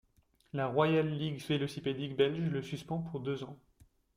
La Royale ligue vélocipédique belge le suspend pour deux ans.